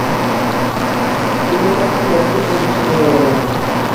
ئىككى مىللەتتىن نەچچە ئون كىشى ئېغىر يارىلاندى.